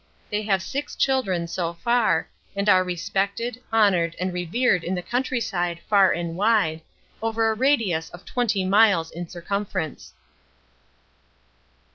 They have six children, so far, and are respected, honoured and revered in the countryside far and wide, over a radius of twenty miles in circumference.